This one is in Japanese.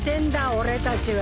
俺たちは。